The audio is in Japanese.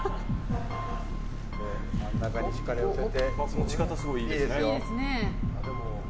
持ち方、すごいいいですね。